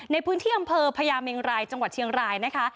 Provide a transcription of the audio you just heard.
ในพื้นที่อำเภอพญาเมงรายจังหวัดเชียงรายนะคะ